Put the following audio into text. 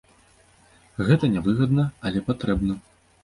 Гэта не выгадна, але патрэбна.